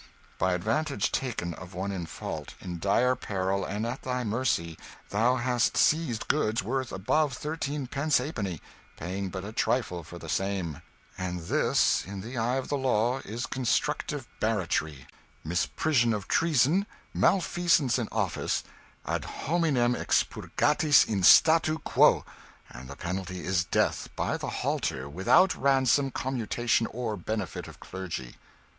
"By advantage taken of one in fault, in dire peril, and at thy mercy, thou hast seized goods worth above thirteenpence ha'penny, paying but a trifle for the same; and this, in the eye of the law, is constructive barratry, misprision of treason, malfeasance in office, ad hominem expurgatis in statu quo and the penalty is death by the halter, without ransom, commutation, or benefit of clergy."